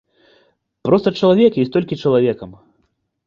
Проста чалавек ёсць толькі чалавекам.